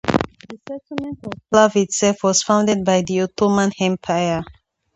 The settlement of Plav itself was founded by the Ottoman Empire.